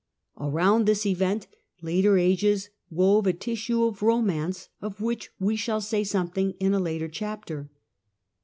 Around this event later ages wove a tissue of romance, of which we shall say something in a later chapter.